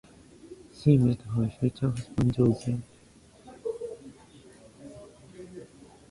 She met her future husband Joe there.